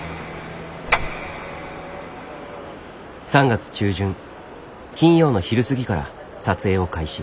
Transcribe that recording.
３月中旬金曜の昼過ぎから撮影を開始。